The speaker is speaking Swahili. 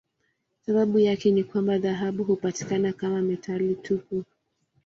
Sababu yake ni kwamba dhahabu hupatikana kama metali tupu.